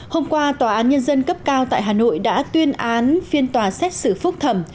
hôm qua tòa án nhân dân cấp cao tại hà nội đã tuyên án phiên tòa xét xử phúc thẩm